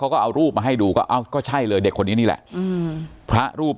ก็เอารูปมาให้ดูก็เอ้าก็ใช่เลยเด็กคนนี้นี่แหละพระรูป